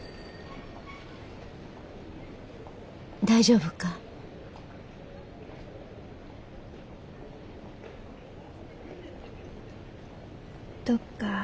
大丈夫か？